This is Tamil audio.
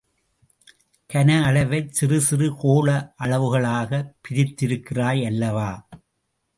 கனஅளவைச் சிறுசிறு கோள அளவுகளாகப் பிரித்திருக்கிறாய் அல்லவா?